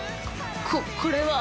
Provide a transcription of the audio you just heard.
ここれは！